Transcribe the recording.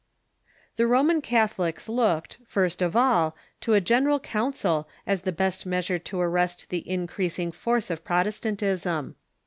The Roman Catholics looked, first of all, to a general coun cil as the best measure to arrest the increasing force of Protes :, r . tantism.